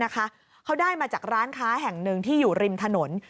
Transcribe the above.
เขาได้มาจากร้านค้าแห่งหนึ่งที่อยู่ริมถนน